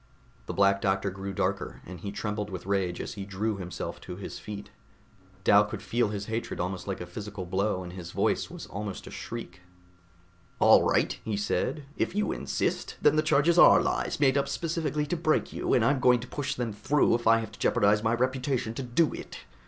The Black Doctor grew darker, and he trembled with rage as he drew himself to his feet. Dal could feel his hatred almost like a physical blow and his voice was almost a shriek. "All right," he said, "if you insist, then the charges are lies, made up specifically to break you, and I'm going to push them through if I have to jeopardize my reputation to do it.